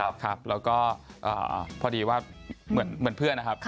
ครับแล้วก็พอดีว่าเหมือนเพื่อนนะครับ